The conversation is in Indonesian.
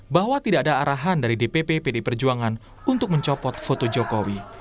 bahwa tidak ada arahan dari dpp pdi perjuangan untuk mencopot foto jokowi